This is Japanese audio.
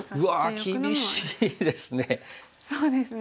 うわっ厳しいですね！